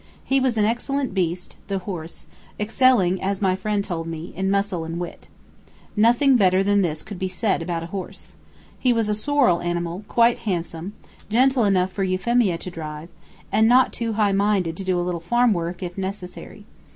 He was an excellent beast (the horse), excelling, as my friend told me, in muscle and wit. Nothing better than this could be said about a horse. He was a sorrel animal, quite handsome, gentle enough for Euphemia to drive, and not too high minded to do a little farm work, if necessary.